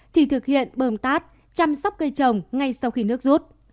thì thực hiện bơm tát chăm sóc cây trồng ngay sau khi nước rút